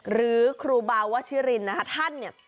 หรือครูบาวชิรินนะคะท่านเนี่ย